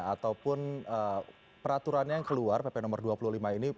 ataupun peraturannya yang keluar pp no dua puluh lima ini